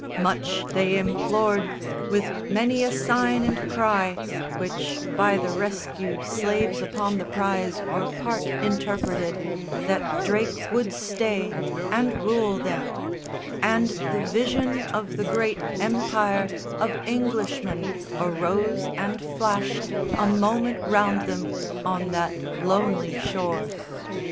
Much they implored, with many a sign and cry, Which by the rescued slaves upon the prize Were part interpreted, that Drake would stay And rule them; and the vision of the great Empire of Englishmen arose and flashed A moment round them, on that lonely shore.